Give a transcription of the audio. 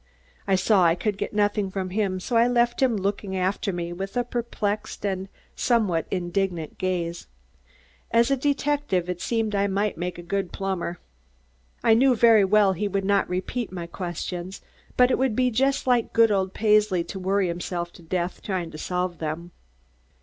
I saw I could get nothing from him so I left him looking after me with a perplexed and somewhat indignant gaze. As a detective it seemed I might make a good plumber. I knew very well he would not repeat my questions, but it would be just like good old Paisley to worry himself to death trying to solve them.